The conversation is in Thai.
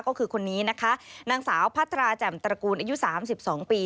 ก็คือคนนี้นะคะนางสาวพัตราแจ่มตระกูลอายุ๓๒ปี